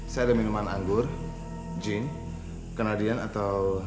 saya ada minuman anggur jin kenadian atau